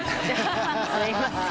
すいません。